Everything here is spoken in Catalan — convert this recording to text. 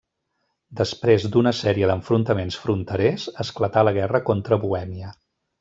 Després d'una sèrie d'enfrontaments fronterers, esclatà la guerra contra Bohèmia.